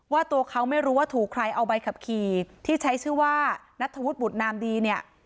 ว่าตัวเขาไม่รู้ว่าถูกใครเอาใบขับขี่ที่ใช้ชื่อว่านัทธวุฒิบุตรนามดีเนี่ย